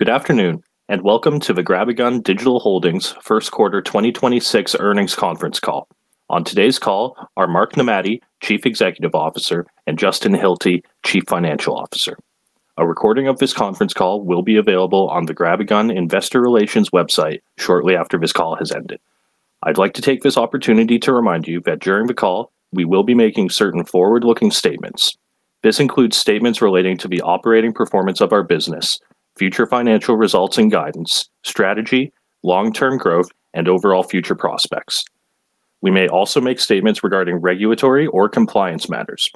Good afternoon, welcome to the GrabAGun Digital Holdings Q1 2026 earnings conference call. On today's call are Marc Nemati, Chief Executive Officer, and Justin Hilty, Chief Financial Officer. A recording of this conference call will be available on the GrabAGun Investor Relations website shortly after this call has ended. I'd like to take this opportunity to remind you that during the call, we will be making certain forward-looking statements. This includes statements relating to the operating performance of our business, future financial results and guidance, strategy, long-term growth, and overall future prospects. We may also make statements regarding regulatory or compliance matters.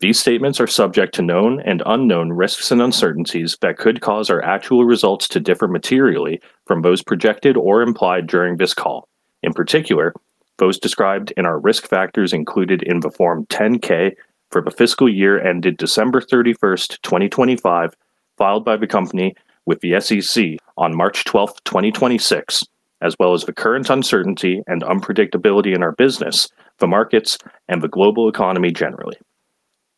These statements are subject to known and unknown risks and uncertainties that could cause our actual results to differ materially from those projected or implied during this call. In particular, those described in our risk factors included in the form 10-K for the fiscal year ended December 31st, 2025, filed by the company with the SEC on March 12th, 2026, as well as the current uncertainty and unpredictability in our business, the markets, and the global economy generally.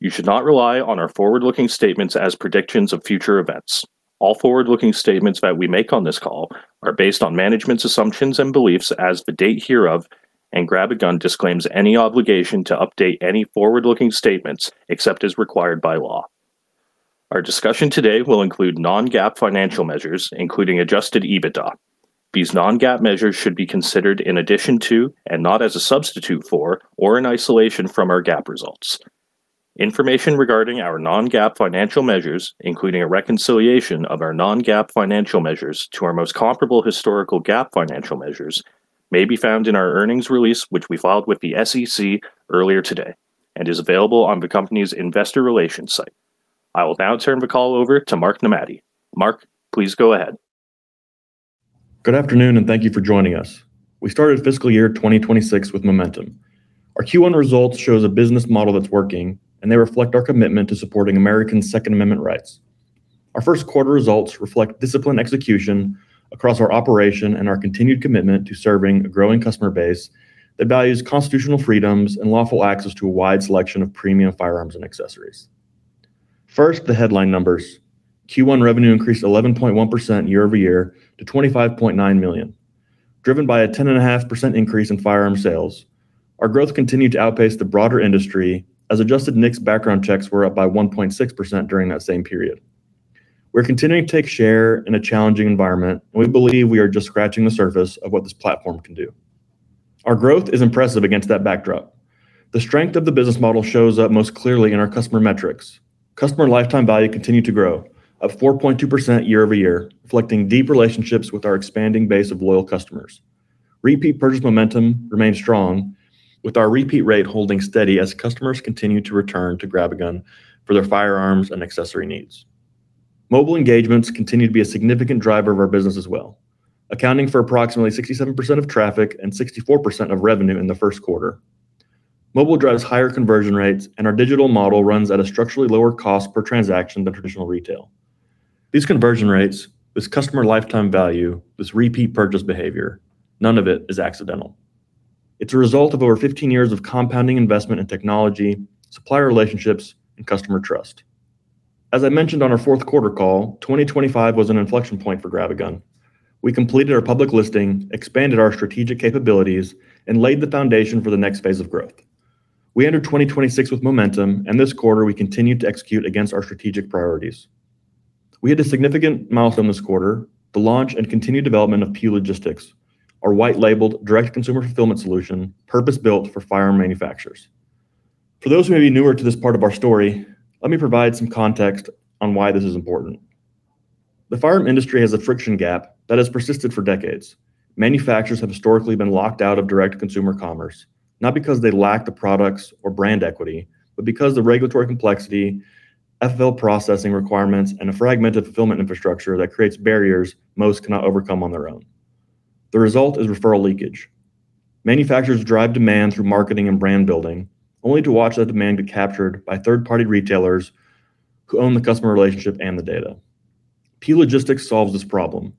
You should not rely on our forward-looking statements as predictions of future events. All forward-looking statements that we make on this call are based on management's assumptions and beliefs as the date hereof, and GrabAGun disclaims any obligation to update any forward-looking statements except as required by law. Our discussion today will include non-GAAP financial measures, including adjusted EBITDA. These non-GAAP measures should be considered in addition to and not as a substitute for or in isolation from our GAAP results. Information regarding our non-GAAP financial measures, including a reconciliation of our non-GAAP financial measures to our most comparable historical GAAP financial measures, may be found in our earnings release, which we filed with the SEC earlier today and is available on the company's investor relations site. I will now turn the call over to Marc Nemati. Marc, please go ahead. Good afternoon, and thank you for joining us. We started fiscal year 2026 with momentum. Our Q1 results shows a business model that's working, and they reflect our commitment to supporting Americans' Second Amendment rights. Our Q1 results reflect disciplined execution across our operation and our continued commitment to serving a growing customer base that values constitutional freedoms and lawful access to a wide selection of premium firearms and accessories. First, the headline numbers. Q1 revenue increased 11.1% year-over-year to $25.9 million, driven by a 10.5% increase in firearm sales. Our growth continued to outpace the broader industry as adjusted NICS background checks were up by 1.6% during that same period. We're continuing to take share in a challenging environment. We believe we are just scratching the surface of what this platform can do. Our growth is impressive against that backdrop. The strength of the business model shows up most clearly in our customer metrics. Customer lifetime value continued to grow of 4.2% year-over-year, reflecting deep relationships with our expanding base of loyal customers. Repeat purchase momentum remains strong, with our repeat rate holding steady as customers continue to return to GrabAGun for their firearms and accessory needs. Mobile engagements continue to be a significant driver of our business as well, accounting for approximately 67% of traffic and 64% of revenue in the Q1. Mobile drives higher conversion rates, and our digital model runs at a structurally lower cost per transaction than traditional retail. These conversion rates, this customer lifetime value, this repeat purchase behavior, none of it is accidental. It's a result of over 15 years of compounding investment in technology, supplier relationships, and customer trust. As I mentioned on our Q4 call, 2025 was an inflection point for GrabAGun. We completed our public listing, expanded our strategic capabilities, and laid the foundation for the next phase of growth. We entered 2026 with momentum, and this quarter we continued to execute against our strategic priorities. We had a significant milestone this quarter, the launch and continued development of PEW Logistics, our white-labeled direct-to-consumer fulfillment solution purpose-built for firearm manufacturers. For those who may be newer to this part of our story, let me provide some context on why this is important. The firearm industry has a friction gap that has persisted for decades. Manufacturers have historically been locked out of direct consumer commerce, not because they lack the products or brand equity, but because the regulatory complexity, FFL processing requirements, and a fragmented fulfillment infrastructure that creates barriers most cannot overcome on their own. The result is referral leakage. Manufacturers drive demand through marketing and brand building, only to watch that demand be captured by third-party retailers who own the customer relationship and the data. PEW Logistics solves this problem.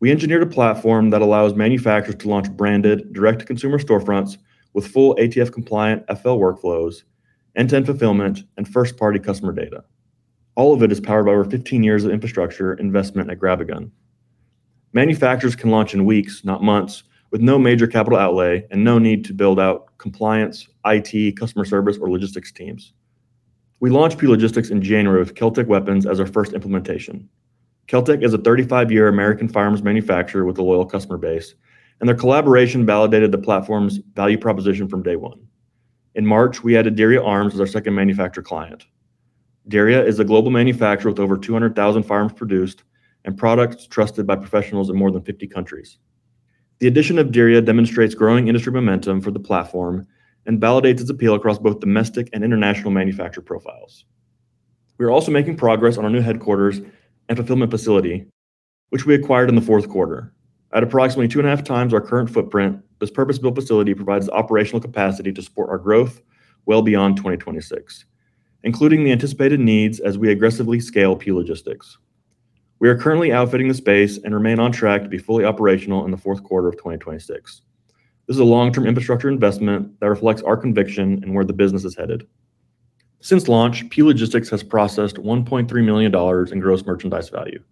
We engineered a platform that allows manufacturers to launch branded direct-to-consumer storefronts with full ATF-compliant FFL workflows, end-to-end fulfillment, and first-party customer data. All of it is powered by over 15 years of infrastructure investment at GrabAGun. Manufacturers can launch in weeks, not months, with no major capital outlay and no need to build out compliance, IT, customer service, or logistics teams. We launched PEW Logistics in January with KelTec Weapons as our first implementation. KelTec is a 35-year American firearms manufacturer with a loyal customer base. Their collaboration validated the platform's value proposition from day one. In March, we added Derya Arms as our second manufacturer client. Derya is a global manufacturer with over 200,000 firearms produced and products trusted by professionals in more than 50 countries. The addition of Derya demonstrates growing industry momentum for the platform and validates its appeal across both domestic and international manufacturer profiles. We are also making progress on our new headquarters and fulfillment facility, which we acquired in the Q4. At approximately 2.5x our current footprint, this purpose-built facility provides operational capacity to support our growth well beyond 2026, including the anticipated needs as we aggressively scale PEW Logistics. We are currently outfitting the space and remain on track to be fully operational in the Q4 of 2026. This is a long-term infrastructure investment that reflects our conviction in where the business is headed. Since launch, PEW Logistics has processed $1.3 million in gross merchandise value.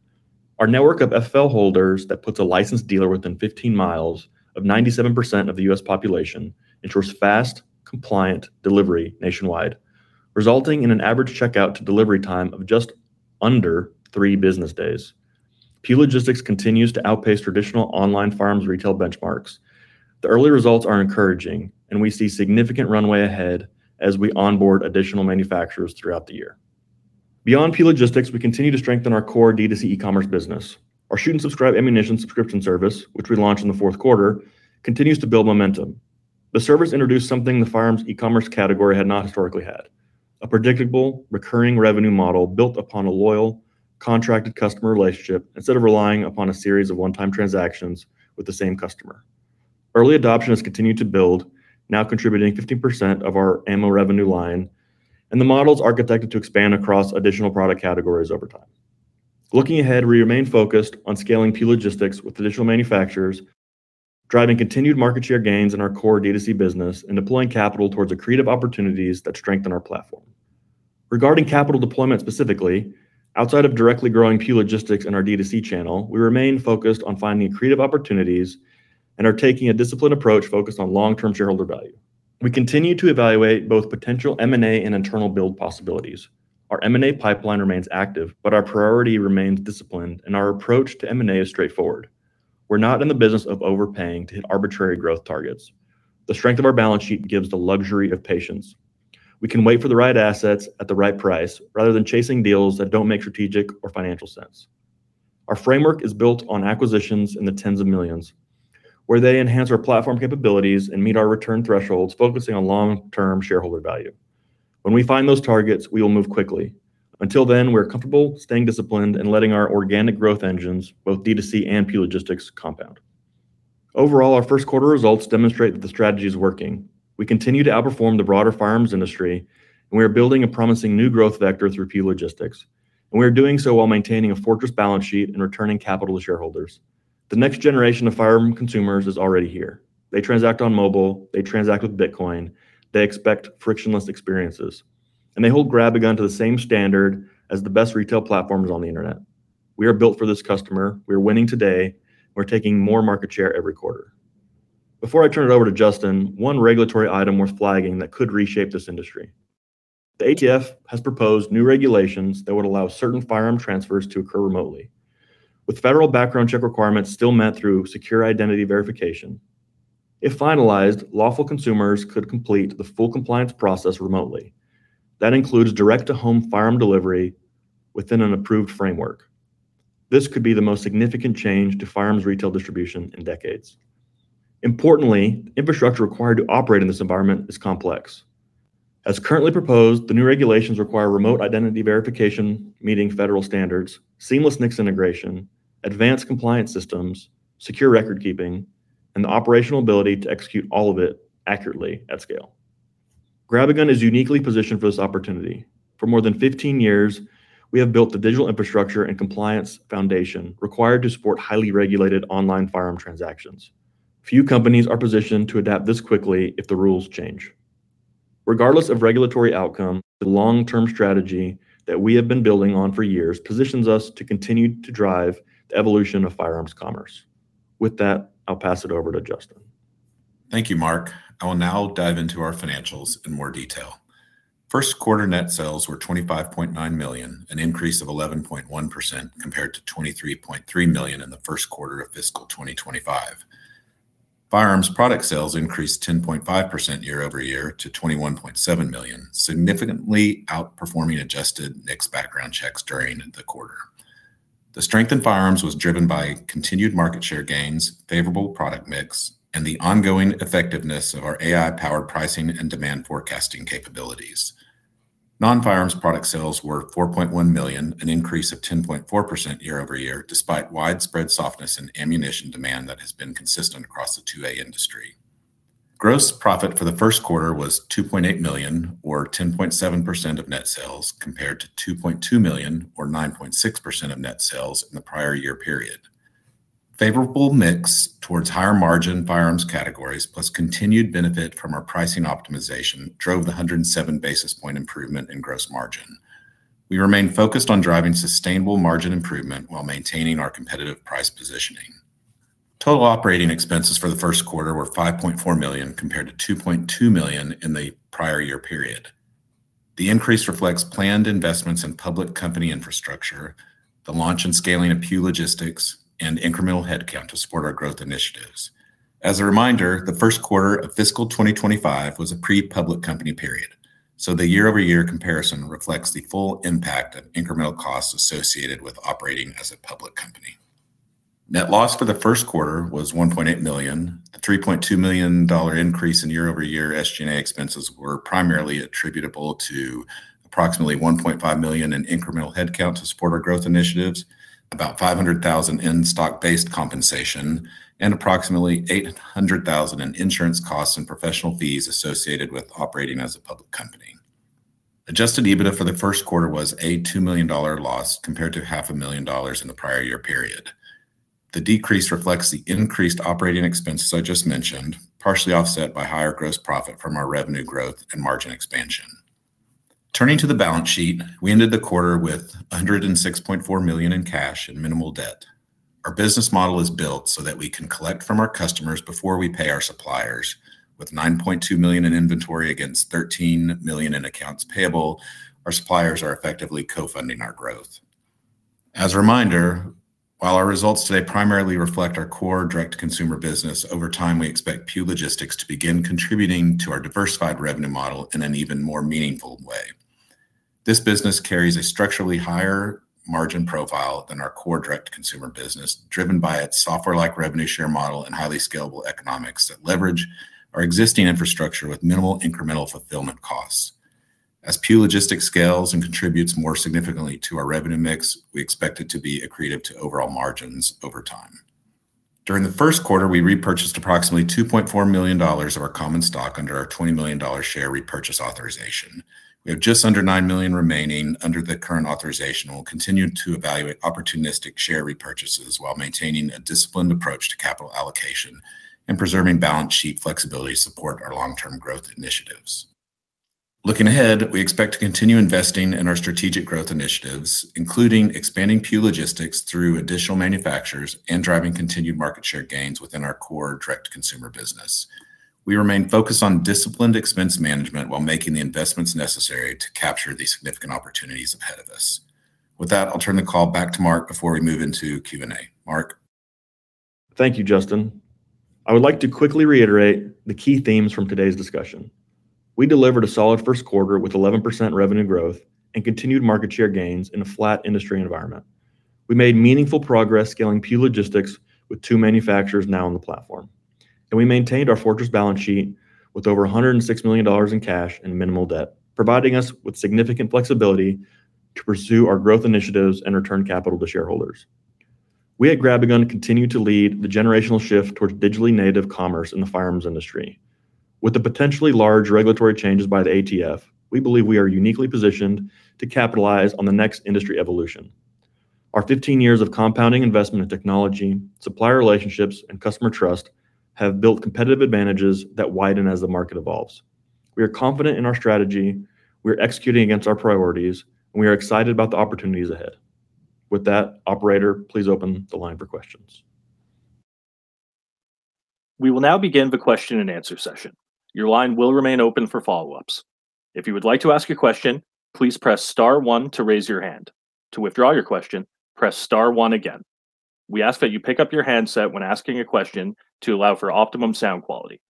Our network of FFL holders that puts a licensed dealer within 15 miles of 97% of the U.S. population ensures fast, compliant delivery nationwide, resulting in an average checkout to delivery time of just under three business days. PEW Logistics continues to outpace traditional online firearms retail benchmarks. The early results are encouraging and we see significant runway ahead as we onboard additional manufacturers throughout the year. Beyond PEW Logistics, we continue to strengthen our core D2C e-commerce business. Our Shoot and Subscribe ammunition subscription service, which we launched in the Q4, continues to build momentum. The service introduced something the firearms e-commerce category had not historically had, a predictable recurring revenue model built upon a loyal contracted customer relationship instead of relying upon a series of one-time transactions with the same customer. Early adoption has continued to build, now contributing 15% of our ammo revenue line, and the model is architected to expand across additional product categories over time. Looking ahead, we remain focused on scaling PEW Logistics with additional manufacturers, driving continued market share gains in our core D2C business, and deploying capital towards accretive opportunities that strengthen our platform. Regarding capital deployment specifically, outside of directly growing PEW Logistics and our D2C channel, we remain focused on finding accretive opportunities and are taking a disciplined approach focused on long-term shareholder value. We continue to evaluate both potential M&A and internal build possibilities. Our M&A pipeline remains active, but our priority remains disciplined and our approach to M&A is straightforward. We're not in the business of overpaying to hit arbitrary growth targets. The strength of our balance sheet gives the luxury of patience. We can wait for the right assets at the right price rather than chasing deals that don't make strategic or financial sense. Our framework is built on acquisitions in the tens of millions, where they enhance our platform capabilities and meet our return thresholds, focusing on long-term shareholder value. When we find those targets, we will move quickly. Until then, we're comfortable staying disciplined and letting our organic growth engines, both D2C and PEW Logistics, compound. Overall, our Q1 results demonstrate that the strategy is working. We continue to outperform the broader firearms industry, and we are building a promising new growth vector through PEW Logistics, and we are doing so while maintaining a fortress balance sheet and returning capital to shareholders. The next generation of firearm consumers is already here. They transact on mobile, they transact with Bitcoin, they expect frictionless experiences, and they hold GrabAGun to the same standard as the best retail platforms on the internet. We are built for this customer. We are winning today. We're taking more market share every quarter. Before I turn it over to Justin, one regulatory item worth flagging that could reshape this industry. The ATF has proposed new regulations that would allow certain firearm transfers to occur remotely, with federal background check requirements still met through secure identity verification. If finalized, lawful consumers could complete the full compliance process remotely. That includes direct-to-home firearm delivery within an approved framework. This could be the most significant change to firearms retail distribution in decades. Importantly, infrastructure required to operate in this environment is complex. As currently proposed, the new regulations require remote identity verification, meeting federal standards, seamless NICS integration, advanced compliance systems, secure record keeping, and the operational ability to execute all of it accurately at scale. GrabAGun is uniquely positioned for this opportunity. For more than 15 years, we have built the digital infrastructure and compliance foundation required to support highly regulated online firearm transactions. Few companies are positioned to adapt this quickly if the rules change. Regardless of regulatory outcome, the long-term strategy that we have been building on for years positions us to continue to drive the evolution of firearms commerce. With that, I'll pass it over to Justin. Thank you, Marc. I will now dive into our financials in more detail. Q1 net sales were $25.9 million, an increase of 11.1% compared to $23.3 million in the Q1 of fiscal 2025. Firearms product sales increased 10.5% year-over- year to $21.7 million, significantly outperforming adjusted NICS background checks during the quarter. The strength in firearms was driven by continued market share gains, favorable product mix, and the ongoing effectiveness of our AI-powered pricing and demand forecasting capabilities. Non-firearms product sales were $4.1 million, an increase of 10.4% year over year, despite widespread softness in ammunition demand that has been consistent across the 2A industry. Gross profit for the Q1 was $2.8 million or 10.7% of net sales compared to $2.2 million or 9.6% of net sales in the prior year period. Favorable mix towards higher margin firearms categories plus continued benefit from our pricing optimization drove the 107 basis point improvement in gross margin. We remain focused on driving sustainable margin improvement while maintaining our competitive price positioning. Total operating expenses for the Q1 were $5.4 million compared to $2.2 million in the prior year period. The increase reflects planned investments in public company infrastructure, the launch and scaling of PEW Logistics, and incremental headcount to support our growth initiatives. As a reminder, the Q1 of fiscal 2025 was a pre-public company period. The year-over-year comparison reflects the full impact of incremental costs associated with operating as a public company. Net loss for the Q1 was $1.8 million. The $3.2 million increase in year-over-year SG&A expenses were primarily attributable to approximately $1.5 million in incremental headcount to support our growth initiatives, about $500,000 in stock-based compensation, and approximately $800,000 in insurance costs and professional fees associated with operating as a public company. Adjusted EBITDA for the Q1 was a $2 million loss compared to half a million dollars in the prior year period. The decrease reflects the increased operating expenses I just mentioned, partially offset by higher gross profit from our revenue growth and margin expansion. Turning to the balance sheet, we ended the quarter with $106.4 million in cash and minimal debt. Our business model is built so that we can collect from our customers before we pay our suppliers. With $9.2 million in inventory against $13 million in accounts payable, our suppliers are effectively co-funding our growth. As a reminder, while our results today primarily reflect our core direct-to-consumer business, over time, we expect PEW Logistics to begin contributing to our diversified revenue model in an even more meaningful way. This business carries a structurally higher margin profile than our core direct-to-consumer business, driven by its software-like revenue share model and highly scalable economics that leverage our existing infrastructure with minimal incremental fulfillment costs. As PEW Logistics scales and contributes more significantly to our revenue mix, we expect it to be accretive to overall margins over time. During the Q1, we repurchased approximately $2.4 million of our common stock under our $20 million share repurchase authorization. We have just under $9 million remaining under the current authorization and will continue to evaluate opportunistic share repurchases while maintaining a disciplined approach to capital allocation and preserving balance sheet flexibility to support our long-term growth initiatives. Looking ahead, we expect to continue investing in our strategic growth initiatives, including expanding PEW Logistics through additional manufacturers and driving continued market share gains within our core direct-to-consumer business. We remain focused on disciplined expense management while making the investments necessary to capture these significant opportunities ahead of us. With that, I'll turn the call back to Marc before we move into Q&A. Marc? Thank you, Justin. I would like to quickly reiterate the key themes from today's discussion. We delivered a solid Q1 with 11% revenue growth and continued market share gains in a flat industry environment. We made meaningful progress scaling PEW Logistics with two manufacturers now on the platform. We maintained our fortress balance sheet with over $106 million in cash and minimal debt, providing us with significant flexibility to pursue our growth initiatives and return capital to shareholders. We at GrabAGun continue to lead the generational shift towards digitally native commerce in the firearms industry. With the potentially large regulatory changes by the ATF, we believe we are uniquely positioned to capitalize on the next industry evolution. Our 15 years of compounding investment in technology, supplier relationships, and customer trust have built competitive advantages that widen as the market evolves. We are confident in our strategy, we're executing against our priorities, and we are excited about the opportunities ahead. With that, operator, please open the line for questions. We will now begin the question and answer session. Your line will remain open for follow-ups. If you would like to ask a question, please press star one to raise your hand. To withdraw your question, press star one again. We ask that you pick up your handset when asking a question to allow for optimum sound quality.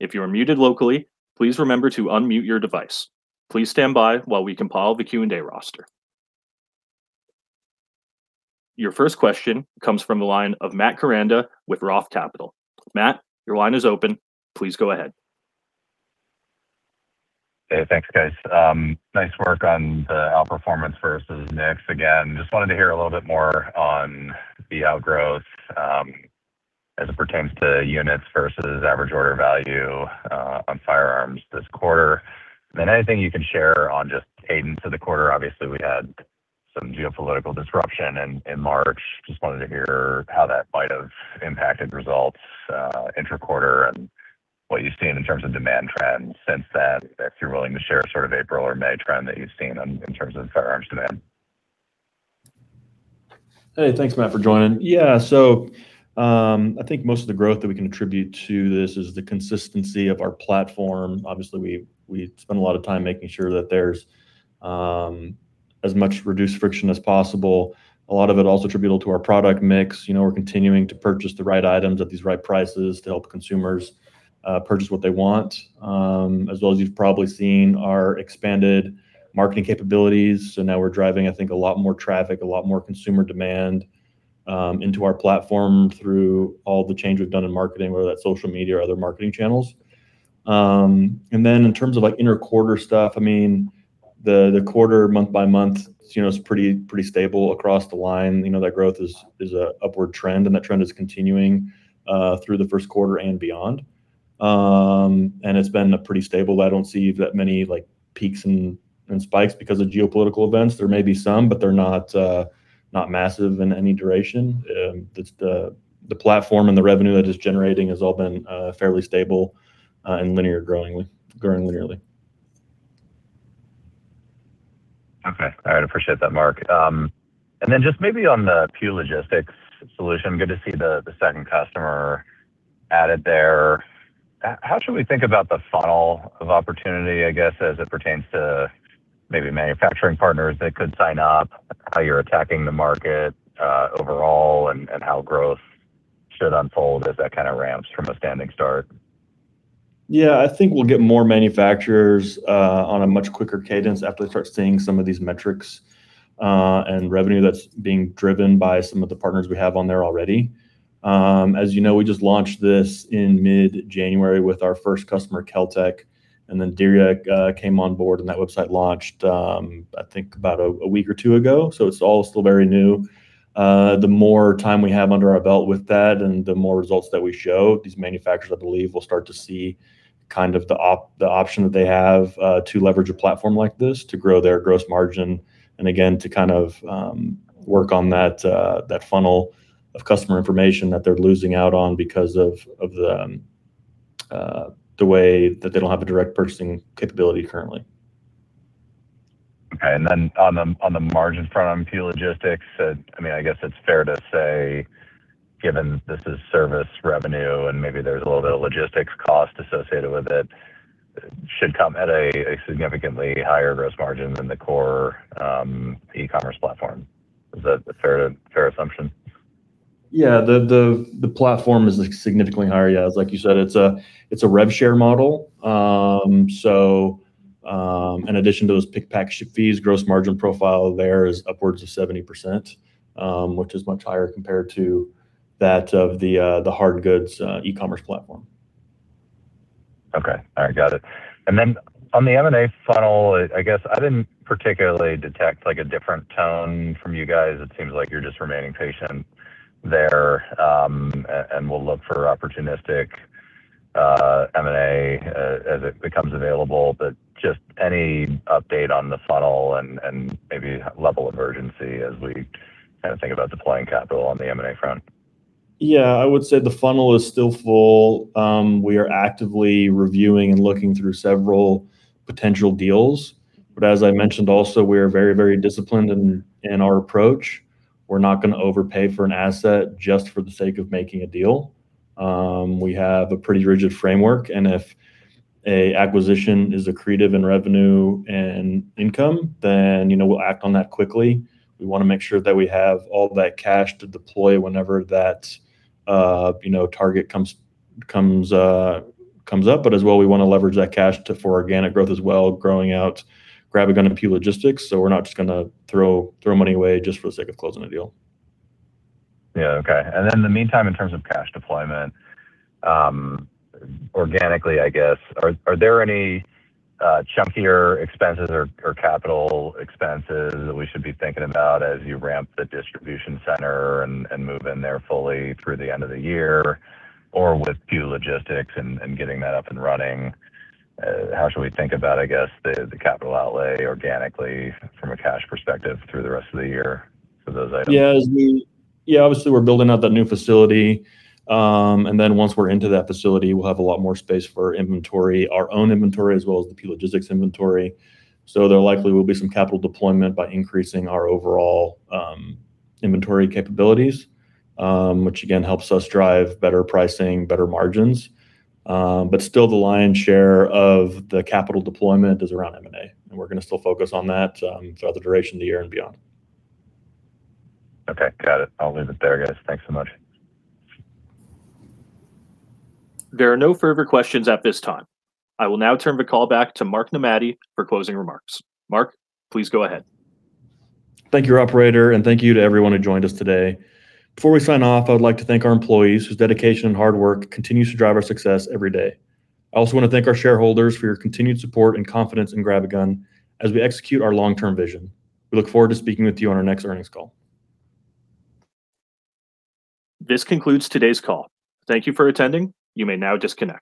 If you are muted locally, please remember to unmute your device. Please stand by while we compile the Q&A roster. Your first question comes from the line of Matt Koranda with Roth Capital. Matt, your line is open. Please go ahead. Hey, thanks, guys. Nice work on the outperformance versus NICS again. Just wanted to hear a little bit more on the outgrowth as it pertains to units versus average order value on firearms this quarter. Anything you can share on just cadence of the quarter. Obviously, we had some geopolitical disruption in March. Just wanted to hear how that might have impacted results interquarter and what you've seen in terms of demand trends since then, if you're willing to share sort of April or May trend that you've seen in terms of firearms demand. Hey, thanks, Matt, for joining. Yeah. I think most of the growth that we can attribute to this is the consistency of our platform. Obviously, we spend a lot of time making sure that there's as much reduced friction as possible. A lot of it also attributable to our product mix. You know, we're continuing to purchase the right items at these right prices to help consumers purchase what they want. As well as you've probably seen our expanded marketing capabilities. Now we're driving, I think, a lot more traffic, a lot more consumer demand into our platform through all the change we've done in marketing, whether that's social media or other marketing channels. In terms of like interquarter stuff, I mean, the quarter month by month, you know, is pretty stable across the line. You know, that growth is a upward trend. That trend is continuing through the Q1 and beyond. It's been pretty stable. I don't see that many like peaks and spikes because of geopolitical events. There may be some, but they're not massive in any duration. The platform and the revenue that is generating has all been fairly stable and linear growing linearly. Okay. All right. Appreciate that, Marc. Then just maybe on the PEW Logistics solution, good to see the second customer added there. How should we think about the funnel of opportunity, I guess, as it pertains to maybe manufacturing partners that could sign up, how you're attacking the market, overall and how growth should unfold as that kind of ramps from a standing start? Yeah. I think we'll get more manufacturers on a much quicker cadence after they start seeing some of these metrics and revenue that's being driven by some of the partners we have on there already. As you know, we just launched this in mid-January with our first customer, KelTec, and then Derya came on board, and that website launched, I think about a week or two ago. It's all still very new. The more time we have under our belt with that and the more results that we show, these manufacturers, I believe, will start to see kind of the option that they have to leverage a platform like this to grow their gross margin and again, to kind of work on that funnel of customer information that they're losing out on because of the way that they don't have a direct purchasing capability currently. Okay. On the margins front, on PEW Logistics, I mean, I guess it's fair to say, given this is service revenue and maybe there's a little bit of logistics cost associated with it should come at a significantly higher gross margin than the core e-commerce platform. Is that a fair assumption? Yeah. The platform is significantly higher. Yeah. As like you said, it's a rev share model. In addition to those pick, pack, ship fees, gross margin profile there is upwards of 70%, which is much higher compared to that of the hard goods e-commerce platform. Okay. All right. Got it. On the M&A funnel, I guess I didn't particularly detect like a different tone from you guys. It seems like you're just remaining patient there, and we'll look for opportunistic M&A as it becomes available. Just any update on the funnel and maybe level of urgency as we kind of think about deploying capital on the M&A front? Yeah, I would say the funnel is still full. We are actively reviewing and looking through several potential deals. As I mentioned also, we are very, very disciplined in our approach. We're not gonna overpay for an asset just for the sake of making a deal. We have a pretty rigid framework, and if a acquisition is accretive in revenue and income, then, you know, we'll act on that quickly. We wanna make sure that we have all that cash to deploy whenever that, you know, target comes up. As well, we wanna leverage that cash to for organic growth as well, growing out GrabAGun and PEW Logistics, so we're not just gonna throw money away just for the sake of closing a deal. Yeah, okay. In the meantime, in terms of cash deployment, organically, I guess, are there any chunkier expenses or capital expenses that we should be thinking about as you ramp the distribution center and move in there fully through the end of the year? With PEW Logistics and getting that up and running, how should we think about, I guess, the capital outlay organically from a cash perspective through the rest of the year for those items? Obviously we're building out that new facility. Once we're into that facility, we'll have a lot more space for inventory, our own inventory, as well as the PEW Logistics inventory. There likely will be some capital deployment by increasing our overall inventory capabilities, which again helps us drive better pricing, better margins. Still the lion's share of the capital deployment is around M&A, we're gonna still focus on that throughout the duration of the year and beyond. Okay. Got it. I'll leave it there, guys. Thanks so much. There are no further questions at this time. I will now turn the call back to Marc Nemati for closing remarks. Marc, please go ahead. Thank you, operator. Thank you to everyone who joined us today. Before we sign off, I would like to thank our employees, whose dedication and hard work continues to drive our success every day. I also wanna thank our shareholders for your continued support and confidence in GrabAGun as we execute our long-term vision. We look forward to speaking with you on our next earnings call. This concludes today's call. Thank you for attending. You may now disconnect.